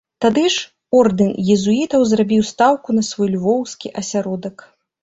Тады ж ордэн езуітаў зрабіў стаўку на свой львоўскі асяродак.